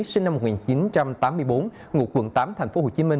sinh năm một nghìn chín trăm tám mươi bốn ngụ quận tám tp hcm